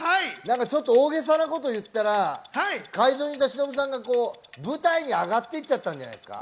大げさな事を言ったら、会場にいたしのぶさんが舞台に上がってきちゃったんじゃないですか？